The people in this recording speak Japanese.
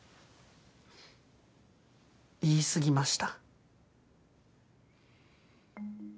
言い過ぎました。